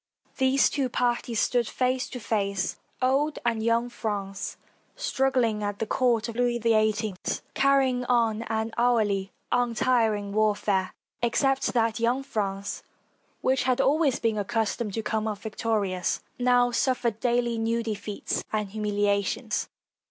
These two parties stood face to face, old and young France, struggling at the court of Louis XVIII, carry ing on an hourly, untiring warfare, except that young France, which had always been accustomed to come off victorious, now suffered daily new defeats and humil iations.